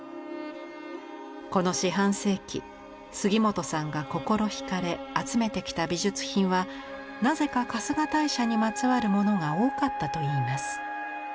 この四半世紀杉本さんが心惹かれ集めてきた美術品はなぜか春日大社にまつわるものが多かったといいます。